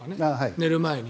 寝る前に。